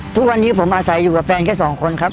ทุกวันนี้ผมอาศัยอยู่กับแฟนแค่สองคนครับ